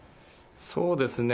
そうですね。